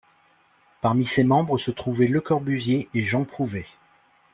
Parmi ses membres se trouvaient Le Corbusier et Jean Prouvé.